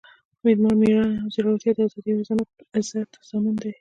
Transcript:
میړانه او زړورتیا د ازادۍ او عزت ضامن دی.